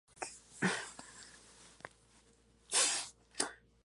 La Junta de Educación de Union City gestiona escuelas públicas.